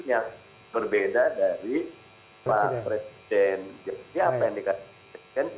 pak presiden itu yang saya katakan